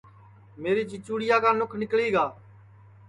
میری چیچُوڑیا کا نُکھ نیکݪی گا